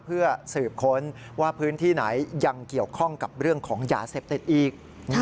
เพื่อสืบค้นว่าพื้นที่ไหนยังเกี่ยวข้องกับเรื่องของยาเสพติดอีก